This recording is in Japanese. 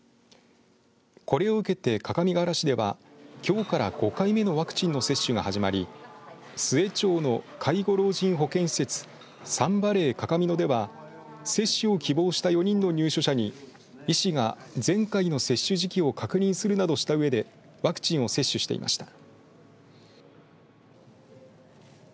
これを受けて、各務原市ではきょうから５回目のワクチンの接種が始まり須衛町の介護老人保健施設サンバレーかかみ野では接種を希望して４人の入所者に医師が前回の接種時期を確認するなどしたうえでワクチンを接種していました。